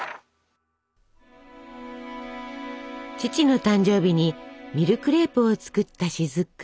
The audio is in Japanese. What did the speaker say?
父の誕生日にミルクレープを作った雫。